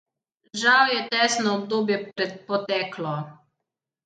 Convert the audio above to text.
Žal je testno obdobje poteklo.